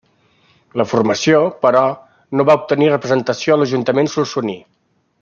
La formació, però, no va obtenir representació a l'Ajuntament solsoní.